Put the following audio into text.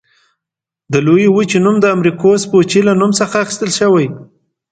دې لویې وچې نوم د امریکو سپوچي له نوم څخه اخیستل شوی.